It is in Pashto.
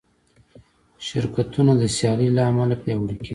شرکتونه د سیالۍ له امله پیاوړي کېږي.